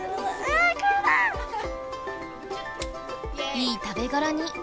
いい食べごろに。